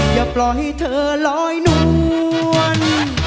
อย่าปล่อยให้เธอลอยนวล